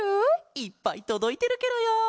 いっぱいとどいてるケロよ！